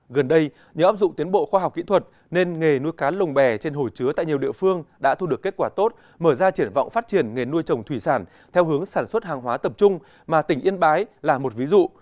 gần đây nhờ áp dụng tiến bộ khoa học kỹ thuật nên nghề nuôi cá lồng bè trên hồ chứa tại nhiều địa phương đã thu được kết quả tốt mở ra triển vọng phát triển nghề nuôi trồng thủy sản theo hướng sản xuất hàng hóa tập trung mà tỉnh yên bái là một ví dụ